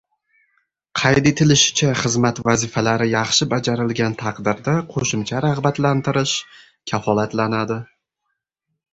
Qayd etilishicha, xizmat vazifalari yaxshi bajarilgan taqdirda, qo‘shimcha rag‘batlantirish kafolatlanadi